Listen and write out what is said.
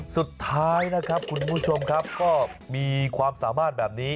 สุดท้ายนะครับคุณผู้ชมครับก็มีความสามารถแบบนี้